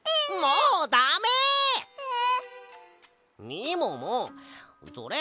みももそれ